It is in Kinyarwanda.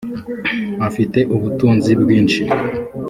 afite ubutunzi bwishi.